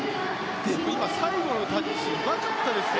今、最後のタッチうまかったですね。